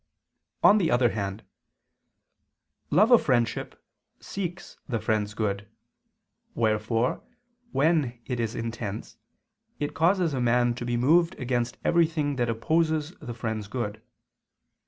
On the other hand, love of friendship seeks the friend's good: wherefore, when it is intense, it causes a man to be moved against everything that opposes the friend's good.